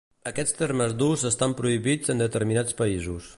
Aquests termes d'ús estan prohibits en determinats països.